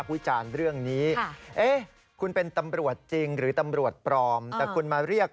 พี่โปรดติดตามตอนต่อไป